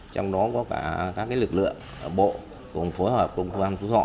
trong đó có cả các lực lượng bộ cùng phối hợp công an phú thọ